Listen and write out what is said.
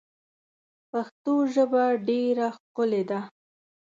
پښتو ژبه ډېره ښکلې ده.